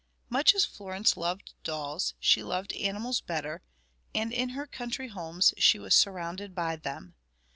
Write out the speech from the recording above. Much as Florence loved dolls, she loved animals better, and in her country homes she was surrounded by them.